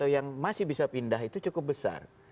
yang masih bisa pindah itu cukup besar